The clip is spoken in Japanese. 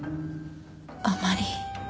あまり。